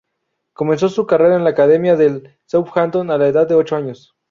Comenzó su carrera en la academia del Southampton a la edad de ocho años.